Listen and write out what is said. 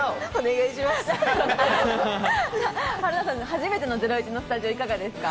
初めての『ゼロイチ』のスタジオいかがですか？